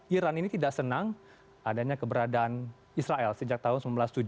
iran ini tidak senang adanya keberadaan israel sejak tahun seribu sembilan ratus tujuh puluh